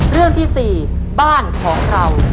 เรื่องที่๔บ้านของเรา